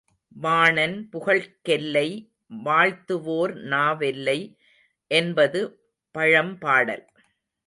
வாணன் புகழ்க்கெல்லை வாழ்த்துவோர் நாவெல்லை என்பது பழம் பாடல்!